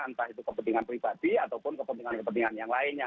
entah itu kepentingan pribadi ataupun kepentingan kepentingan yang lainnya